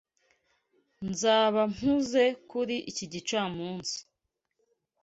Nzaba mpuze kuri iki gicamunsi.